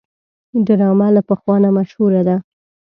ډرامه له پخوا نه مشهوره ده